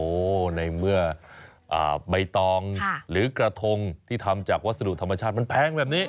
โอ้โหในเมื่อใบตองหรือกระทงที่ทำจากวัสดุธรรมชาติมันแพงแบบนี้